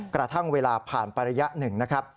กระทั่งเวลาผ่านไประยะหนึ่งนะครับ